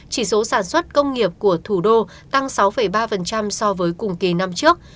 chỉ số sản xuất công nghiệp của thủ đô tăng sáu ba so với cùng kỳ năm trước